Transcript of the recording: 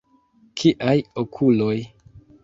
Kiaj okuloj!